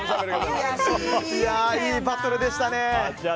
いいバトルでしたね。